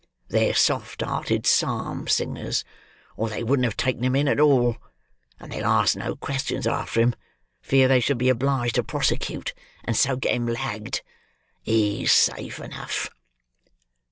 They're soft hearted psalm singers, or they wouldn't have taken him in at all; and they'll ask no questions after him, fear they should be obliged to prosecute, and so get him lagged. He's safe enough."